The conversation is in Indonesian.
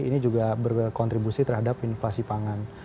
ini juga berkontribusi terhadap inflasi pangan